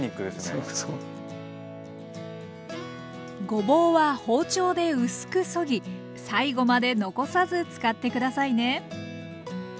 ごぼうは包丁で薄くそぎ最後まで残さず使って下さいね。